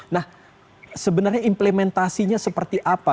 nah sebenarnya implementasinya seperti apa